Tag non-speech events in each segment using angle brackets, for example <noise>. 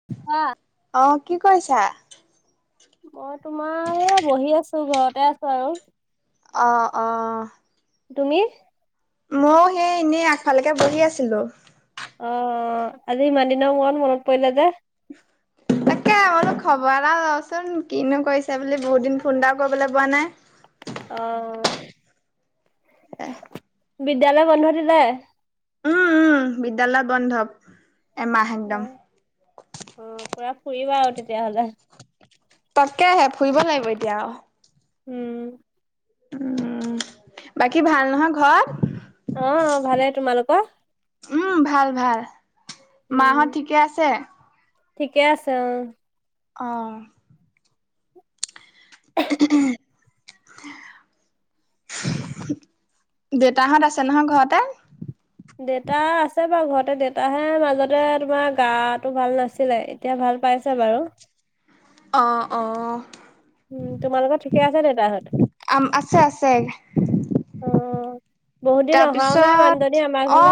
<inaudible> কোৱা। অ কি কৰিছা? মই তোমাৰ এই বহি আছো ঘৰতে আছো আৰু। অ অ। তুমি? ময়ো সেই এনেই আগফালেকে বহি আছিলো। অ আজি ইমান দিনা মূৰত মনত পৰিলে যে তাক। বোলো খবৰ এটা লওচোন কিনো কৰিছে বুলি বহুত দিন ফোন এটাও কৰিবলৈ পোৱা নাই। অ, হে বিদ্যালয় বন্ধ দিলে? উম উম বিদ্যালয় বন্ধ এমাহ একদম। অ পুৰা ফুৰিবা আও তেতিয়া হ'লে। তাকেহে ফুৰিব লাগিব এতিয়া আও। উম। উম বাকী ভাল নহয় ঘৰত। অ ভালে তোমালোকৰ? উম ভাল ভাল উম মাহত ঠিকে আছে। ঠিকে আছে অ। অ, <inaudible> দেউতাহঁত আছে নহয় ঘৰতে? দেউতা আছে বাৰু ঘৰতে দেউতাহে মাজতে তোমাৰ গাটো ভাল নাছিলে। এতিয়া ভাল পাইছে বাৰু অ অ উম তোমালোকৰ ঠিকে আছে দেতাহত, আম আছে আছে অ অ তাৰপিছত অ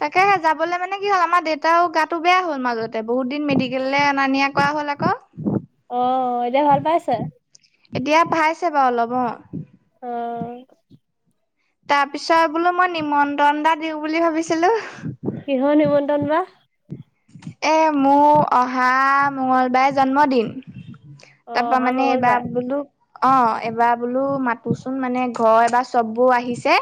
তাকে যাবলে মানে কি হ'ল আমাৰ দেউতাও গাটো বেয়া হ'ল মাজতে বহুত দিন মেডিকেললে অনা নিয়া কৰা হ'ল আকৌ অ এতিয়া ভাল পাইছে। এতিয়া পাইছে বাৰু অলপ অ অ তাৰ পিছত বোলো মই নিমন্ত্ৰণ এটা দিওঁ বুলি ভাবিছিলো কিহৰ নিমন্ত্ৰন বা এই মোৰ অহা মঙলবাৰে জন্মদিন অ তাপা অহা মানে এবা মংগলবাৰ। বোলো অ এবাৰ বোলো মাতোচোন মানে ঘৰ এবাৰ চববোৰ আহিছে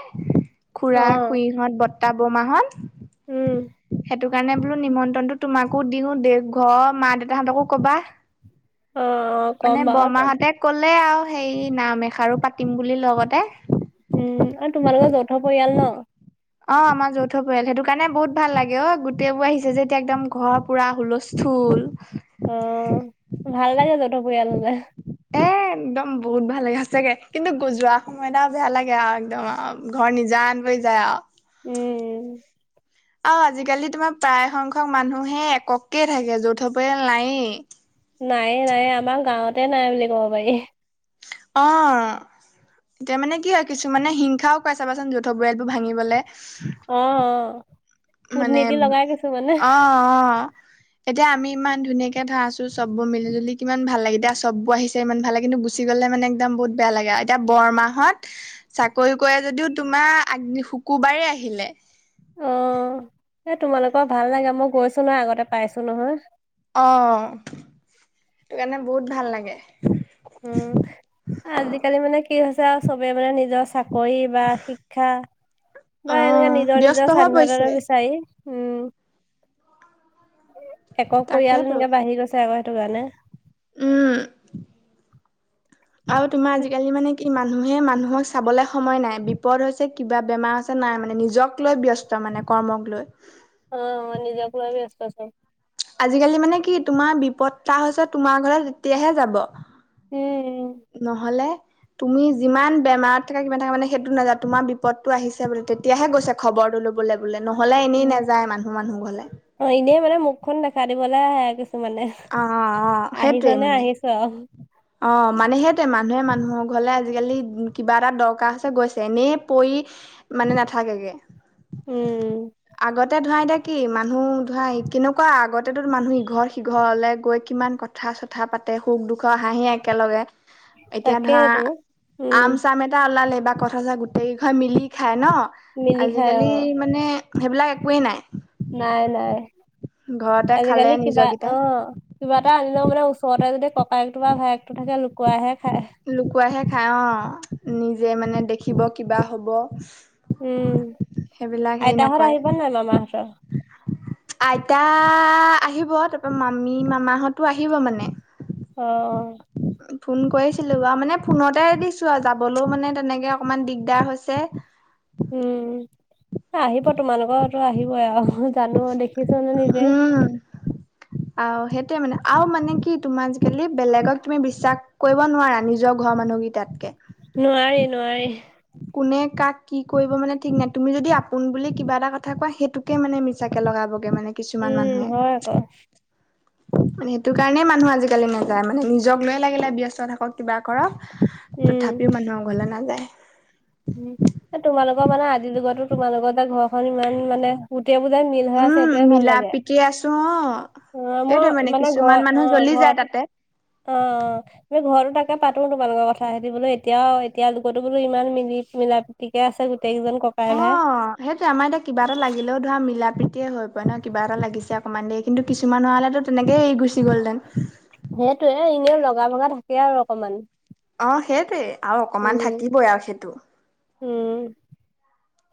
অ খুৰা-খুৰীহত, বৰ্তাই-বমাহত উম সেইটো কাৰণে বোলো নিমন্ত্ৰণটো তোমাকো দিওঁ দে, ঘৰ মা দেউতাহঁতকো কবা অ অ ক'ম মানে বাৰু তাত বৰমাহঁতে কলে আৰু সেই নাম এষাৰো পাতিম বুলি লগতে উম আৰু তোমাৰ লগৰ যৌথ পৰিয়াল ন অ আমাৰ যৌথ পৰিয়াল সেইটো কাৰণে বহুত ভাল লাগে অ গোটেই বোৰ আহিছে যেতিয়া একদম ঘৰত পুৰা হুলস্থুল অ ভাল লাগে যৌথ পৰিয়াল হলে এ একদম বহুত ভাল লাগে সঁচাকে কিন্তু গোজোৱা সময় আও বেয়া লাগে আও একদম আও ঘৰ নিজান বনি যায় আও উম উম আও আজিকালি তোমাৰ প্ৰায়সংখ্যক মানুহে এককে থাকে যৌথ পৰিয়াল নাইয়ে নাই নাই আমাৰ গাঁৱতে নাই বুলি ক'ব পাৰি। অঁ এতিয়া মানে কি হয়, কিছুমানে হিংসাও কৰে চাবাচোন যৌথ পৰিয়ালবোৰ ভাঙিবলে। অঁ অঁ। মানে অঁ অঁ। এতিয়া আমি ইমান ধুনীয়াকে ধৰা আছো চববোৰ মিলি- জুলি কিমান ভাল লাগে। এতিয়া চববোৰ আহিছে ইমান ভালে কিন্তু গুচ্ গুচি গ'লে মানে একদম বহুত বেয়া লাগে আও এতিয়া বৰমাহঁত চাকৰি কৰে যদিও তোমাৰ আগ্ শুকুৰবাৰেই আহিলে। অঁ, এই তোমালোকৰ ভাল লাগে মই গৈছোঁ নহয়, আগতে পাইছোঁ নহয়। অঁ সেইটো কাৰণে বহুত ভাল লাগে। উম আজিকালি মানে কি হৈছে আও চবে মানে নিজ চাকৰি বা শিক্ষা বা অ এনেকা নিজৰ ব্যস্ত নিজৰ হৈ স্বাধীনতা পৰিছে এটা বিচাৰি উম। একক পৰিয়াল তাকেতো তেনেকেবাঢ়ি গৈছে আক' সেইটো কাৰণে। উম, আৰু তোমাৰ আজিকালি মানে কি মানুহে মানুহক চাবলে সময় নাই। বিপদ হৈছে, কিবা বেমাৰ হৈছে নাই মানে নিজক লৈ ব্যস্ ব্যস্ত মানে কৰ্মক লৈ। অঁ নিজক লৈ ব্যস্ত চব। আজিকালি মানে কি তোমাৰ বিপদটা হৈছে তোমাৰ ঘৰত তেতিয়াহে যাব। উম, নহলে তুমি যিমান বেমাৰত থাকা, কিবা থাকা মানে সেইটো নাযায়। তোমাৰ বিপদটো আহিছে বোলে তেতিয়াহে গৈছে খবৰটো ল'ব ব'লে বোলে নহলে এনেই নাযায় মানুহ মানুহ ঘৰলে। অঁ, এনেই মানে মুখখন দেখা দিবলে আহে কিছুমানে। অ অ অ আহিছনে আহিছ চে আও। অঁ, মানে সেইটোৱে মানুহে মানুহৰ ঘৰলে আজিকালি কিবা এটা দৰকাৰ হৈছে গৈছে। এনেই পৰি মানে নাথাকেগে। উম, আগত্ তাতে ধৰা এতিয়া কি মানুহ ধৰা কেনেকুৱা আগতেতো মানুহ ইঘৰ- সিঘৰলে গৈ কিমান কথ কথা -চথা পাতে সুখ - দুখৰ হাঁহি একেলগে। এতিয়া ধৰা তাকেইতো। উম, আম-চাম এটা ওলালে বা কঁঠাল - চঠাল গোটেইকেইঘৰে মিলি খায় ন'? মিলি খাই আজিকালি অ', মানে সেইবিলাক একোৱেই নাই। নাই নাই। ঘৰতে খালে আজিকালি কিবা নিজৰকেইটাই অঁ কিবা এটা আনিলেও মানে ওচৰতে যদি ককায়েকটো বা ভায়েকটো থাকে লুকুৱাইহে খায়। লুকুৱাইহে খাই অঁ, নিজে মানে দেখিব, কিবা হ'ব উম, সেইবিলাক হেৰি আইতাহঁত নকৰে আহিব নাই মামাহঁতৰ? আইতা আহিব তাৰপা মামী মামাহঁতো আহিব মানে। অঁ - অঁ। ফোন কৰিছিলো বাও মানে ফোনতে দিছো আও যাবলো মানে তেনেকে অকনমান দিগদাৰ হৈছে। উম, এ আহিব তোমালোকৰতো আহিবই আও জানো, দেখিছো নহয় নিজে। আও সেইটোৱে মানে আৰু মানে কি তোমাৰ আজিকালি বেলেগক তুমি বিশ্বাস কৰিব নোৱাৰা নিজৰ ঘৰৰ মানুহগিটাত্কে। নোৱাৰি, নোৱাৰি। কোনে কাক কি কৰিব মানে ঠিক নাই। তুমি যদি আপোন বুলি কিবা এটা কথা কোৱা সেইটোক কে মানে মিছাকে লগাবগে মানে কিছুমান মানুহে। তাকে মানে সেইটো কাৰণে মানুহ আজিকালি নাযায় মানে। নিজক লৈয়ে লাগিলে ব্যস্ত থাকক কিবা কৰক, উম। তথাপিও মানুহৰ ঘৰলৈ নাযায়। উম, তোমালোকৰ মানে আজিৰ যুগতো তোমালোকতে এ ঘৰখন ইমান মানে, গোটেইবোৰ যে মিল হৈ আছে সেইটোৱে ভাল লাগে। ত অঁ। অ মই মানে ঘ অ যায় ঘৰতো তাতে অ অ। আমি ঘৰতো তাকে পাতো তোমালোকৰ কথা, সিহঁতি বোলো এতিয়াও এতিয়া যুগতো বোলো ইমান মিলি মিলা- ঠিকে আছে গোটেইকেইজন ককাই ভাই। অ সেইটোয়ে আমাৰ এতিয়া কিবা এটা লাগিলেও ধৰা মিলা প্ৰীতিয়ে হৈ পৰে ন কিবা এটা লাগিছে অকনমান দেৰি, কিন্তু কিছুমান হোৱা হলেতো তেনেকেই এৰি গুচি গ'লহঁতেন। সেইটোৱে, এনেও লগা ভগা থাকেই আৰু অকমান। অ সেইটোৱেই আৰু অকমান উম থাকিবই আৰু সেইটো। উম।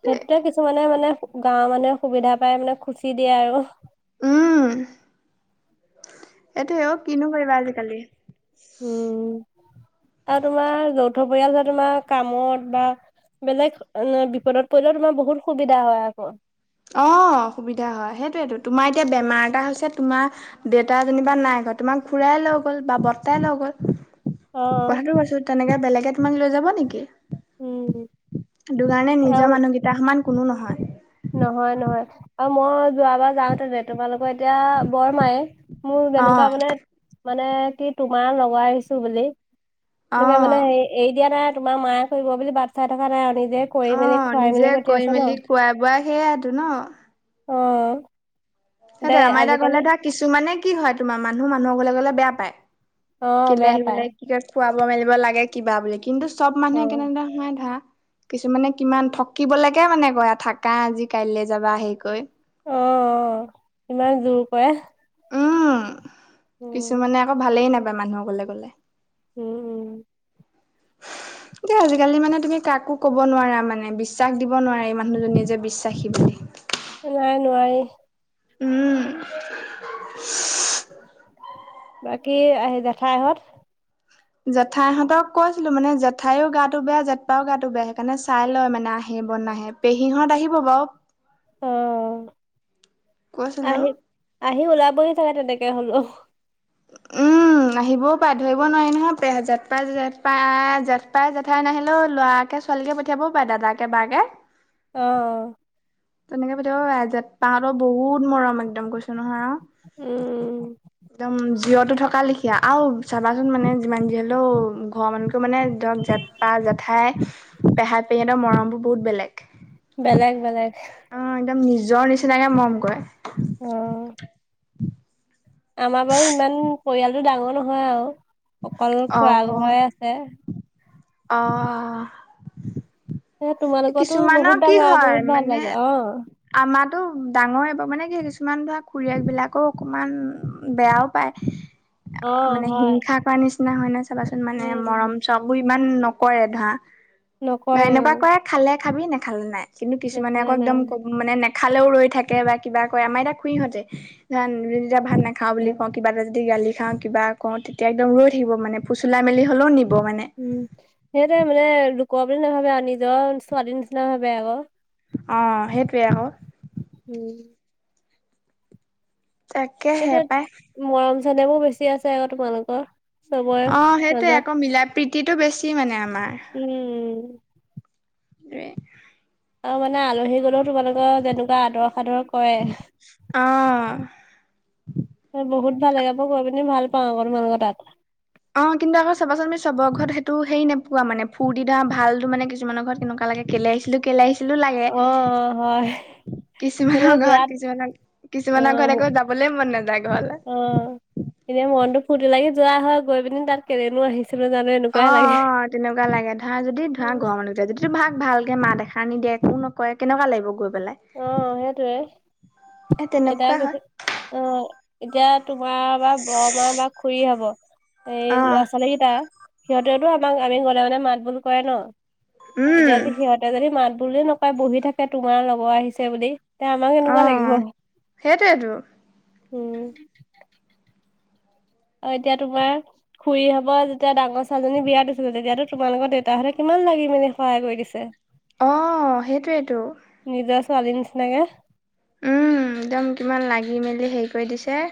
সেইটোৱে কিছুমানে মানে গাঁৱৰ মানুহে সুবিধা পাই মানে খুচি দিয়ে আৰু। উম। এইটো অও কিনো কৰিবা আজিকালি। উম। আৰু তোমাৰ যৌথ পৰিয়াল যে তোমাৰ কামত বা, বেলেগ বিপদত পৰিলেও তোমাৰ বহুত সুবিধা হয় আকৌ। অঁ সুবিধা হয়, সেইটোৱেতো তোমাৰ এতিয়া বেমাৰ এটা হৈছে তোমাৰ- দেউতা যেনিবা নাই ঘৰত তোমাক খুৰাই লৈ গ'ল বা বৰ্তাই লৈ গ'ল। অ', কথাটো কৈছো, তেনেকে বেলেগে তুমাক লৈ যাব নেকি? উম। সেইটো কাৰণে আৰু নিজৰ মানুহকেইটাৰ সমান কোনো নহয়। নহয় নহয়। আৰু মই যোৱাবাৰ যাওঁতে যে তোমালোকৰ এতিয়া বৰ মাই, মোৰ অ যেনেকুৱা মানে মানে কি তোমাৰ লগৰ আহিছো বুলি, অ মানে হে এৰি দিয়া নাই তোমাৰ মায়ে কৰিব বুলি বাট চাই থকা নাই অ নিজে, কৰি মেলি খুৱাই মেলি পঠিয়াইছে ন। খোৱা বোৱাই সেয়াইটো ন। অ। দে সেইটোৱে আমাৰ এতিয়া ঘৰলে আজিকালি ধৰা কিছুমানে কি হয় তোমাৰ মানুহ মানুহৰ ঘৰলে গ'লে বেয়া পায়। অ', কেলে বেয়া আহিব পায় লাগে কি কয়, খুৱাব মেলিব লাগে কিবা বুলি, কিন্তু চব অ'। মানুহে অ', কেনেদৰে হয় ধা কিছুমানে কিমান ঠকিবলেকে মানে কয়, থাকা আজি কাইলৈ যাবা হেই কৈ। অ অ, ইমান জোৰ কৰে। উম উম, কিছুমানে আকৌ ভালেই নাপায় মানুহক ঘৰলে গলে। উম উম। <unintelligible> এ আজিকালি মানে তুমি কাকো কব নোৱাৰা মানে বিশ্বাস দিব নোৱাৰা এই মানুহজনীয়ে যে বিশ্বাসী বুলি। নাই নোৱোৰি। উম। বাকী আহ জেঠাইহঁত? জেঠাইহঁতক কৈছিলো মানে জেঠাইও গাটো বেয়া, জেঠপাও গাটো বেয়া, সেইকাৰণে চাই লয় মানে আহে ব নাহে। পেহীহঁত আহিব বাৰু। অ অ, কৈছিলো আহি আহি ওলাবহি ছাগে তেনেকে হলোও। উম। উম আহিবও পাৰে ধৰিব নোৱাৰি নহয় জেঠ পাই জেঠ পাই জেঠপাই জেঠাই নাহিলেও ল'ৰাকে ছোৱালীকে পঠিয়াব পাৰে দাদাকে বাকে। অ', অ'। তেনেকে পঠিয়াব পাৰে যেটপাহতো বহুত মৰম একদম কৈছো নহয় আৰু। উম একদম জিৰটো থকা লেখীয়া আৰু চাবাচোন মানে যিমান যি হ'লেও ঘৰৰ মানুহকে মানে ধৰক জ পা জেঠাই পেহা - পেহী হতৰ মৰম বোৰ বহুত বেলেগ। বেলেগ বেলেগ। অ একদম নিজৰ নিচিনাকে মৰম কৰে। অ'। আমাৰ বাৰু ইমান পৰিয়ালটো ডাঙৰ নহয় আৰু অকল অ খুড়া ঘৰেই আছে। অ'। এ' তোমালোকৰতো কিছুমানৰ বহুত কি ডাঙৰ হয় বহুত ভাল মানে লাগে অ'। আমাৰো ডাঙৰে মানে কি কিছুমান ধৰা খুৰীয়েক বিলাকে অকমান বেয়াও পায়। অ' মানে হয় হিংসা কৰা নিচিনা হয় নাই চাবাচোন মানে মৰম উম কাম বোৰ ইমান নকৰে ধৰা, নকৰে এনেকুৱা অ' কৰে খালে খাবি নেখালে নাই। কিন্তু কিছুমানে দেখালে আকৌ নাই একদম ক মানে নেখালেও ৰৈ থাকে বা কিবা কৰে আমাৰ এতিয়া। ধৰা যেতিয়া ভাত নাখাও বুলি কওঁ কিবা এটা যদি গালি খাও কিবা কও তেতিয়া একদম ৰৈ থাকিব মানে। ফুচুলাই মেলি হ'লেও নিব মানে। উম, সেইটোৱেই মানে লোকুৰ বুলি নাভাবে আৰু নিজৰ ছোৱালীৰ নিচিনা ভাবে আকৌ। অ', সেইটোয়ে আকৌ। উম। তাকে হে ইয়াতে পাই। মৰম চেনেহমোৰ বেছি আছে আকৌ তোমালোকৰ। চবৰে অ', সেইটোৱে মাজত আকৌ মিলা প্ৰতিটো বেছি মানে আমাৰ। উম। <unintelligible> আৰু মানে আলহী গলেও তোমালোকৰ যেনেকুৱা আদৰ সাদৰ কৰে। অ'। বহুত ভাল লাগে মই গৈ পিনে ভাল পাওঁ তোমালোকৰ তাত। অ', কিন্তু আকৌ চাবাচোন আমি চবৰ ঘৰত সেইটো হেৰি নোপোৱা মানে ফুৰ্তি ভালো মানে কিছুমানৰ ঘৰত কেনেকুৱা লাগে কেলে আহিছিলো কেলে আহিছিলো লাগে। অ হয় মানে কিছুমানৰ ঘৰত যোৱাত কিছুমানৰ - অ কিছুমানৰ ঘৰত আকৌ যাবলে মন নাযায় ঘৰলৈ। অ এনে মনতটো ফূৰ্তি লাগি যোৱা হয়, গৈ পিনি তাত কেলেনো আহিছিলো জানো অ এনেকুৱাই লাগে। অ তেনেকুৱা লাগে ধৰা যদি ধৰা ঘৰ মানুহকেইটা যদি ভাক ভালকে মাত এখাৰ নিদিয়ে একো নকয় কেনেকুৱা লাগিব গৈ পেলাই। অ', সেইটোৱেই এ এতিয়া তেনেকুৱা হয় যদি অ'। এতিয়া তোমাৰ বা বৰমাৰ বা খুৰী হব এই অ ল'ৰা ছোৱালীকেইটা। সিহঁতেওতো আমাক আমি গ'লে মানে মাত বোল কৰে ন' উম এতিয়া যে সিহঁতে যদি মাত বোলো নকৰে বহি থাকে তোমাৰ লগৰ আহিছে বুলি তেন্তে আমাৰ অ কেনেকুৱা লাগিব সেইটোৱেতো উম, অ' এতিয়া তোমাৰ খুুৰী ভাগ যেতিয়া ডাঙৰ ছোৱালজনী বিয়া দিছিলো তেতিয়াতো তোমালোকৰ দেউতাহঁতে কিমান লাগি মেলি সহায় কৰি দিছিল। দিছে। অ', সেইটোৱেটো। নিজৰ ছোৱালীৰ নিচিনাকে উম, একদম কিমান লাগি মেলি হেৰি কৰি দিছে।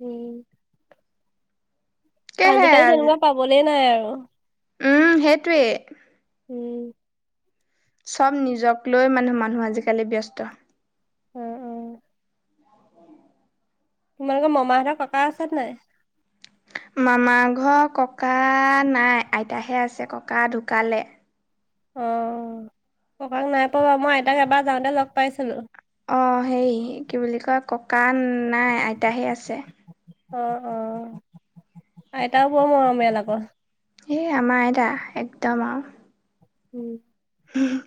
উম, আজিকালি তেনেকুৱা তাকেহে পাবলে নাই আৰু উম, সেইটোৱেই। উম। চব নিজক লৈ মানে মানুহ আজিকালি ব্যস্ত। অ অ তোমালোকৰ মামাহঁতৰ ক'কা আছে নে নাই? মামাৰ ঘৰ ককা নাই আইতাহে আছে ককা ঢুকালে। অ', ককাক নাই পোৱা বাৰু মই আইতাক এবাৰ যাওঁতে লগ পাইছিলো। অ', হেই কি বুলি কয় ককাঁ নাই আইতাহে আছে। অ', অ', আইতাও বৰ মৰমিয়াল আকৌ। এই আমাৰ আইতা একদম আৰু উম,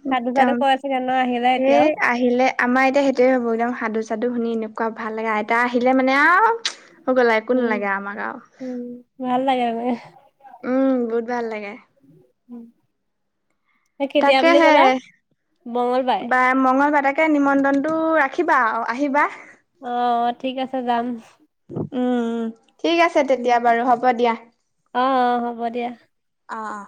সাধু একদম চাধু কয় চাগে ন' আহিলে এই এতিয়াও? আহিলে আমাৰ এতিয়া সেইটোয়ে হ'ব একদম সাধু সাধু শুনি এনেকুৱা ভাল লাগে আইতা আহিলে মানে আও। হৈ গ'ল আৰু একো উম নালাগে আমাক আও। উম, ভাল লাগে আকৌ। উম, বহুত ভাল লাগে। এই কেতিয়া বুলি তাকেহে কলা মঙলবাৰে? মংগলবাৰ তাকে নিমন্ত্ৰণটো ৰাখিবা আৰু আহিবা। অ', ঠিক আছে যাম। উম, উম, ঠিক আছে তেতিয়া বাৰু হ'ব দিয়া। অ', অ', হ'ব দিয়া। অ', অ'।